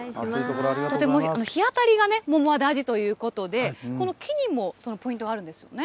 日当たりが、桃は大事ということで、この木にもそのポイントがあるんですよね。